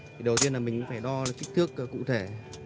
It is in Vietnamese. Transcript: thì đầu tiên là mình phải đo kích thước cụ thể